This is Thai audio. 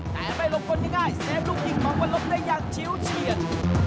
แต่ไม่หลบคนง่ายเซฟลูกยิงของวันลบได้อย่างชิวเฉียด